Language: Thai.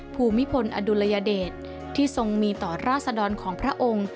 ภูมิพลอดุลยเดชที่ทรงมีต่อราศดรของพระองค์